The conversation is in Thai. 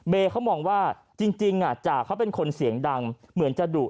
เขามองว่าจริงจ่าเขาเป็นคนเสียงดังเหมือนจะดุ